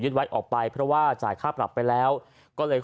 ไว้ออกไปเพราะว่าจ่ายค่าปรับไปแล้วก็เลย